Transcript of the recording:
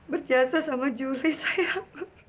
berjasa sama juli sayang